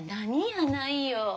やないよ。